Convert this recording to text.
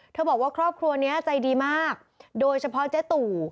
บอกว่าครอบครัวนี้ใจดีมากโดยเฉพาะเจ๊ตู่